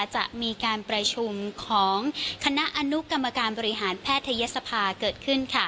จะมีการประชุมของคณะอนุกรรมการบริหารแพทยศภาเกิดขึ้น